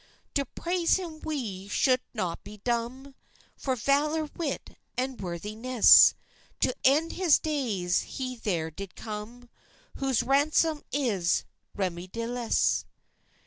To praise him we sould not be dumm, For valour, witt, and worthyness; To end his days he ther did cum Whose ransom is remeidyless.